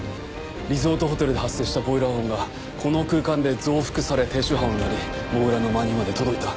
リゾートホテルで発生したボイラー音がこの空間で増幅され低周波音になり土竜の間にまで届いた。